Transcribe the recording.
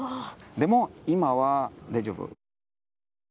でも、今は大丈夫。